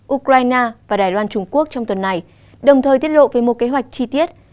ukraine và đài loan trung quốc trong tuần này đồng thời tiết lộ về một kế hoạch chi tiết